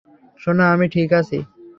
সোনা, আমি ঠিক আছি।